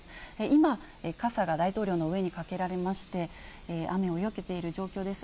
今、傘が大統領の上にかけられまして、雨をよけている状況です。